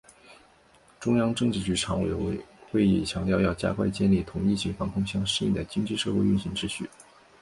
中央政治局常委会会议强调要加快建立同疫情防控相适应的经济社会运行秩序